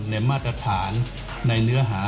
มาตรฐานในเนื้อหา